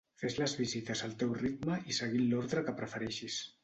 Fes les visites al teu ritme i seguint l'ordre que prefereixis.